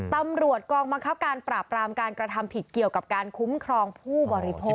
ตำรวจกองบังคับการปราบรามการกระทำผิดเกี่ยวกับการคุ้มครองผู้บริโภค